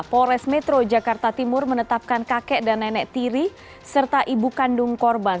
pores metro jakarta timur menetapkan kakek dan nenek tiri serta ibu kandung korban